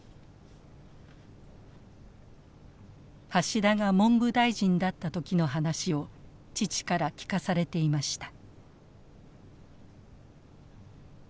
橋田が文部大臣だった時の話を父から聞かされていました。